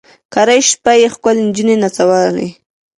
کرۍ شپه یې ښکلي نجوني نڅولې